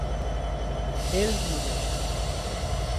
él no bebe